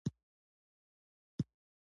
کلیوالو په انګریزي ټوپکو پر نښه ډزې کولې.